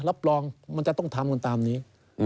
รับรองมันจะต้องทำกันตามนี้